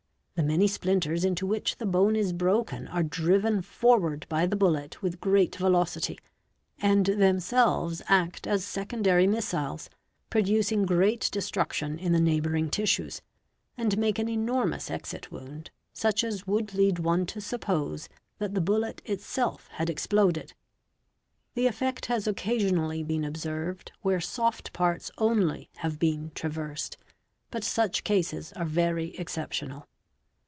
The many splinters into which the bone is broken are driven forward by the bullet with great velocity, and themselves act as secondary missiles, producing great destruction in the neighbouring tissues, and make an enormous exit wound, such as would lead one to suppose that the bullet — en itself had exploded. The effect has occasionally been observed where soft parts only have been traversed, but such cases are very exceptional.